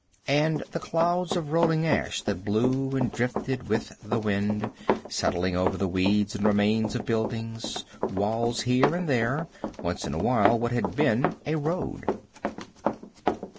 And the clouds of rolling ash that blew and drifted with the wind, settling over the weeds and remains of buildings, walls here and there, once in awhile what had been a road.